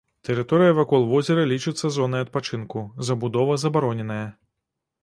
Тэрыторыя вакол возера лічыцца зонай адпачынку, забудова забароненая.